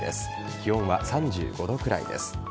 気温は３５度くらいです。